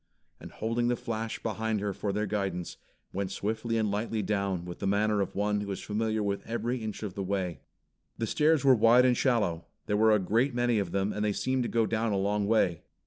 and holding the flash behind her for their guidance, went swiftly and lightly down, with the manner of one who is familiar with every inch of the way. The stairs were wide and shallow. There were a great many of them and they seemed to go down a long way.